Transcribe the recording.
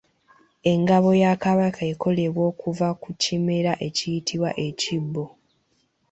Engabo ya Kabaka ekolebwa kuva ku kimera ekiyitibwa Ekibo.